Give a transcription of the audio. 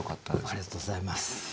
ありがとうございます。